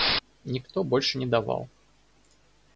Никто больше не давал.